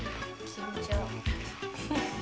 緊張。